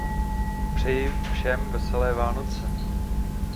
Přeji všem veselé Vánoce.